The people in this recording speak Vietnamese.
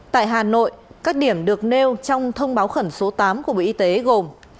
tại hà nội các điểm được nêu trong thông báo khẩn số tám của bộ y tế gồm